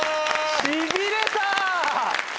しびれた！